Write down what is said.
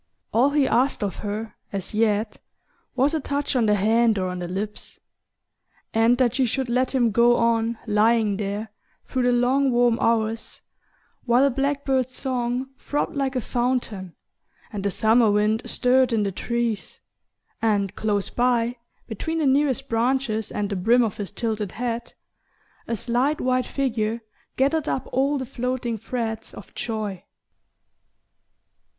All he asked of her, as yet, was a touch on the hand or on the lips and that she should let him go on lying there through the long warm hours, while a black bird's song throbbed like a fountain, and the summer wind stirred in the trees, and close by, between the nearest branches and the brim of his tilted hat, a slight white figure gathered up all the floating threads of joy...